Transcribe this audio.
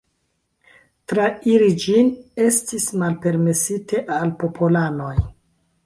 Trairi ĝin estis malpermesite al popolanoj.